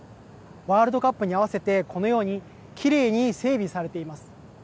ワールドカップに合わせて、このようにきれいに整備されています。